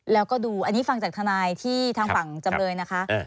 แล้วก็ดูอันนี้ฟังจากทนายที่ทางฝั่งจำเลยนะคะ